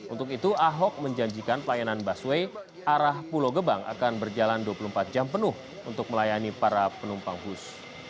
untuk itu ahok menjanjikan pelayanan busway arah pulau gebang akan berjalan dua puluh empat jam penuh untuk melayani para penumpang bus